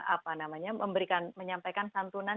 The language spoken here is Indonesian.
apa namanya menyampaikan santunan